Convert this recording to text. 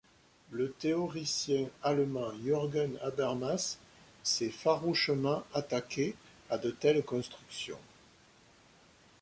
Le théoricien allemand Jürgen Habermas s'est farouchement attaqué à de telles constructions.